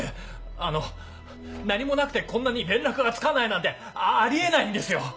あの何もなくてこんなに連絡がつかないなんてあり得ないんですよ！